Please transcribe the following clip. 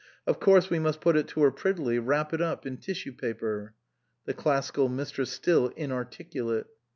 " Of course we must put it to her prettily, wrap it up in tissue paper." (The Classical Mistress still inarticulate.)